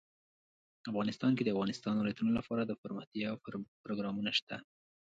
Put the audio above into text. افغانستان کې د د افغانستان ولايتونه لپاره دپرمختیا پروګرامونه شته.